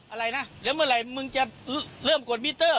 อะไรนะแล้วเมื่อไหร่มึงจะเริ่มกดมิเตอร์